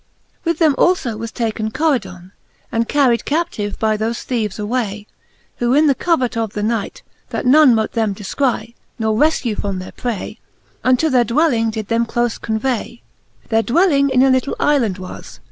'■ XLI. With them alfo was taken Coridon^ And carried captive by thofe theeves away ; Who in the covert of the night, that none Mote them defcry, nor refkue from their pray,. Unto their dwelling did them clofe convay. Their dwelling in a little Ifland was.